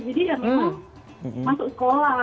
jadi ya memang masuk sekolah